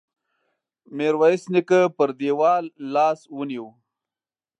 ميرويس نيکه پر دېوال لاس ونيو.